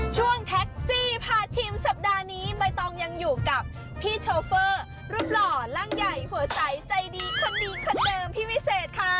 ช่วงแท็กซี่พาชิมสัปดาห์นี้ใบตองยังอยู่กับพี่โชเฟอร์รูปหล่อร่างใหญ่หัวใสใจดีคนดีคนเดิมพี่วิเศษค่ะ